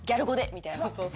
みたいな。